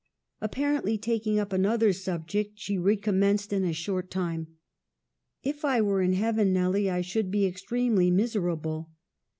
Ap parently taking up another subject, she recom menced in a short time. "' If I were in heaven, Nelly, I should be ex tremely miserable.'